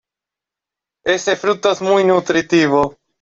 Ese fruto es muy nutritivo.